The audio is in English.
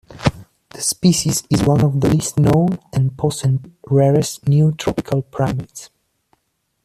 The species is one of the least known and possibly rarest Neotropical primates.